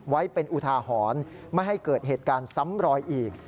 ไว้เป็นอุทาหรณ์ไม่ให้เกิดเหตุการณ์ซ้ำรอยอีก